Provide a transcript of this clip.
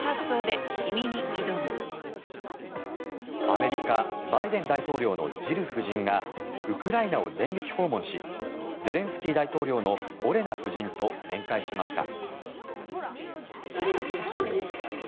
アメリカバイデン大統領のジル夫人がウクライナを電撃訪問しゼレンスキー大統領のオレナ夫人と面会しました。